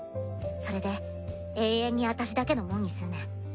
それで永遠に私だけのもんにすんねん。